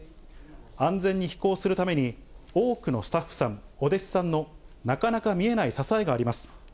安全に飛行するために、多くのスタッフさん、お弟子さんのなかなか見えない支えがあります。